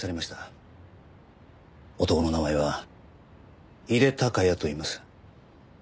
男の名前は井手孝也といいます。